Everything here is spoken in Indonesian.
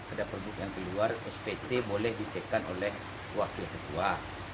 ada produk yang keluar spt boleh ditekan oleh wakil ketua